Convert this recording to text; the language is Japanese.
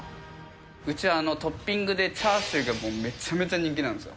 うちはトッピングでチャーシューがめちゃめちゃ人気なんですよ。